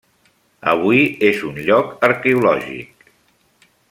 Avui és un lloc arqueològic.